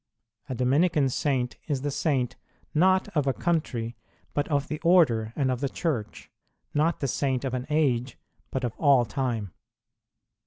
A Dominican saint is the saint, not of a country, but of the Order and of the Church ; not the Saint of an age, but of all time.